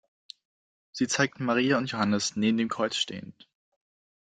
Sie zeigt Maria und Johannes neben dem Kreuz stehend.